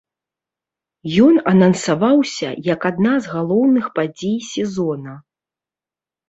Ён анансаваўся як адна з галоўных падзей сезона.